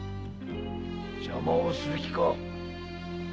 邪魔をする気か。